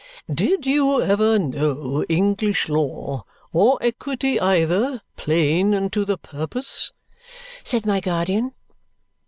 "Did you ever know English law, or equity either, plain and to the purpose?" said my guardian.